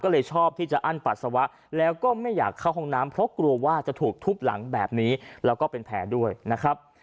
ก็เลยชอบที่จะอั้นปัสสาวะแล้วก็ไม่อยากเข้าห้องน้ำเพราะกลัวว่าจะถูกทุบหลังแบบนี้แล้วก็เป็นแผลด้วยนะครับ